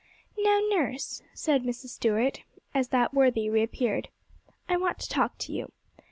'Now, nurse,' said Mrs. Stuart, as that worthy reappeared, 'I want to talk to you.